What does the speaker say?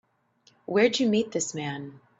Where'd you meet this man?